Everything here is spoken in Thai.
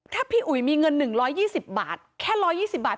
ถ้าพี่อุ๋ยมีเงินหนึ่งร้อยยี่สิบบาทแค่ร้อยยี่สิบบาท